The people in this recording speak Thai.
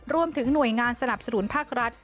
รวมถึงหน่วยงานสนับสนุนภาครัฐ